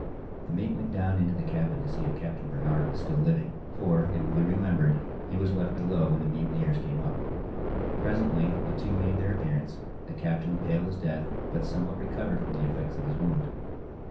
The mate went down into the cabin to see if Captain Barnard was still living—for, it will be remembered, he was left below when the mutineers came up. Presently the two made their appearance, the captain pale as death, but somewhat recovered from the effects of his wound.